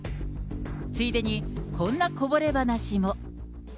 ついでにこんなこぼれ話も。